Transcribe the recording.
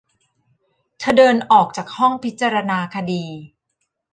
เธอเดินออกจากห้องพิจารณาคดี